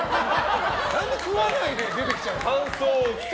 何で食わないで出てきたんだよ。